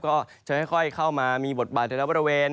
ก็จะค่อยเข้ามามีบทบาทแต่ละบริเวณ